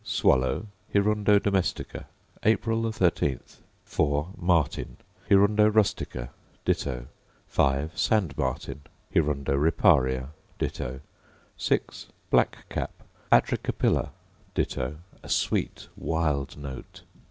Swallow, Hirundo domestica: April 13. 4. Martin, Hirundo rustica: Ditto. 5. Sand martin, Hirundo riparia: Ditto. 6. Black cap, Atricapilla: Ditto: a sweet wild note.